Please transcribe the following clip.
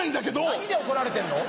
何で怒られてんの？